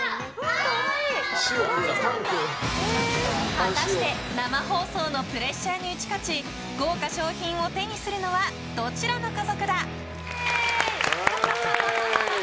果たして、生放送のプレッシャーに打ち勝ち豪華賞品を手にするのはどちらの家族だ？